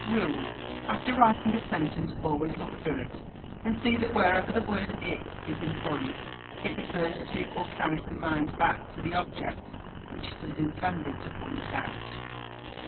Rule. After writing a sentence always look through it, and see that wherever the word It is employed, it refers to or carries the mind back to the object which it is intended to point out.